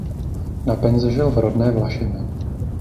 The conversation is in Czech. Na penzi žil v rodné Vlašimi.